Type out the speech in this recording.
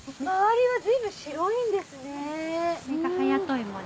周りは随分白いんですね。